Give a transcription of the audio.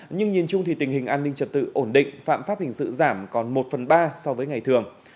nhưng nhìn chung thì tình hình an ninh trật tự ổn định phạm pháp hình sự giảm còn một phần ba so với ngày thường